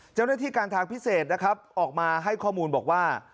เจ้าหน้าที่การทางพิเศษนะครับออกมาให้ข้อมูลบอกว่า